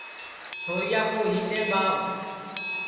چھوریا کُُو ہینٚڈؔیم ٻاو